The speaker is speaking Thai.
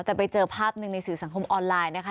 แต่ไปเจอภาพหนึ่งในสื่อสังคมออนไลน์นะคะ